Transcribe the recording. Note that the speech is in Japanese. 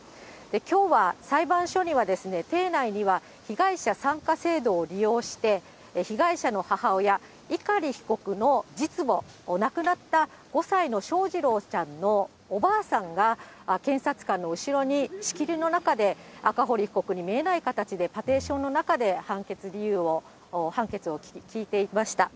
きょうは、裁判所には廷内には被害者参加制度を利用して、被害者の母親、碇被告の実母、亡くなった５歳の翔士郎ちゃんのおばあさんが検察官の後ろに、仕切りの中で、赤堀被告に見えない形で、パテーションの中で判決理由を、判決を聞いていました。